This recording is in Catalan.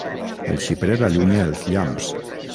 El xiprer allunya els llamps.